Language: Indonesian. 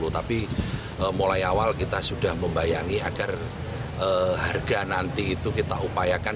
tapi mulai awal kita sudah membayangi agar harga nanti itu kita upayakan